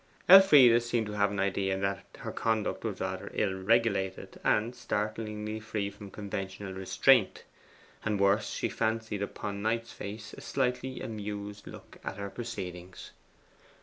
Elfride seemed to have an idea that her conduct was rather ill regulated and startlingly free from conventional restraint. And worse, she fancied upon Knight's face a slightly amused look at her proceedings.